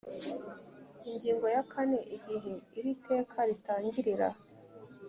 Ingingo ya kane Igihe iri teka ritangirira